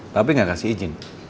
papi gak kasih izin